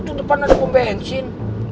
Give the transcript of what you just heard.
tunggu depan ada pembezin